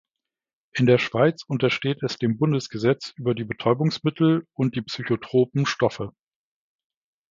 In der Schweiz untersteht es dem Bundesgesetz über die Betäubungsmittel und die psychotropen Stoffe.